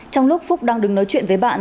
trong lúc phúc đang đứng nói chuyện với bạn